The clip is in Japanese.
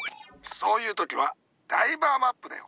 そういう時はダイバーマップだよ。